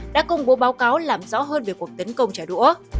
đã công bố báo cáo làm rõ hơn về cuộc tấn công trả đũa